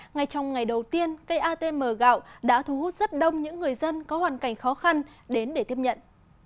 ngay trong ngày đầu tiên cây atm gạo đã thu hút rất đông những người dân có hoàn cảnh khó khăn đến để tiếp nhận